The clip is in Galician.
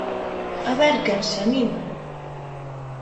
A ver quen se anima.